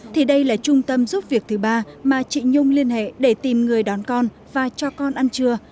thì đây là trung tâm giúp việc thứ ba mà chị nhung liên hệ để tìm người đón con và cho con ăn trưa